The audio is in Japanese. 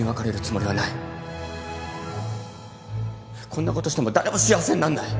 こんなことしても誰も幸せになんない。